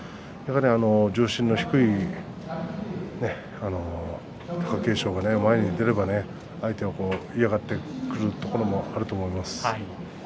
重心の低い貴景勝が前に出れば相手は嫌がってくるということもあると思います。